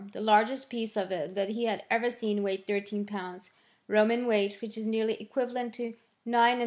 The largest piece of it that he had ever seen weighed 13 lbs. Roman weight, which is nearly equivalent to 9| lbs.